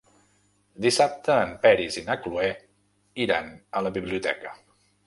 Dissabte en Peris i na Cloè iran a la biblioteca.